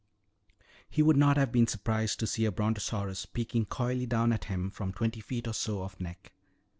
He would not have been surprised to see a brontosaurus peeking coyly down at him from twenty feet or so of neck.